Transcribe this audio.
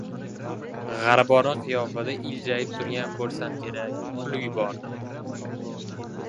Garibona qiyofada iljayib turgan bo‘lsam kerak, u kulib yubordi.